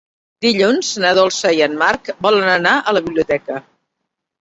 Dilluns na Dolça i en Marc volen anar a la biblioteca.